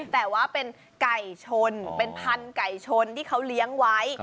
แต่ว่าเป็นไก่ชนเป็นพันธุไก่ชนที่เขาเลี้ยงไว้